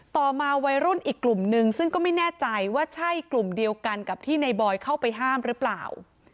ต่อมาวัยรุ่นอีกกลุ่มนึงซึ่งก็ไม่แน่ใจว่าใช่กลุ่มเดียวกันกับที่ในบอยเข้าไปห้ามหรือเปล่า